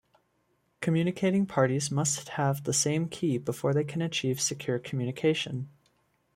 Communicating parties must have the same key before they can achieve secure communication.